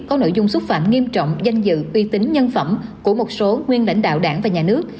có nội dung xúc phạm nghiêm trọng danh dự uy tín nhân phẩm của một số nguyên lãnh đạo đảng và nhà nước